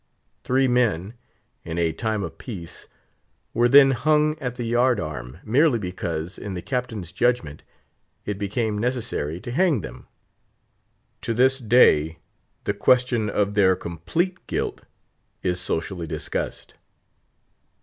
Three men, in a time of peace, were then hung at the yard arm, merely because, in the Captain's judgment, it became necessary to hang them. To this day the question of their complete guilt is socially discussed.